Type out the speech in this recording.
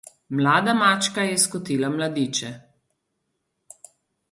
Mlada mačka je skotila mladiče.